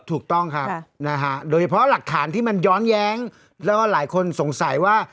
ถูกต้องครับนะฮะโดยเฉพาะหลักฐานที่มันย้อนแย้งแล้วก็หลายคนสงสัยว่า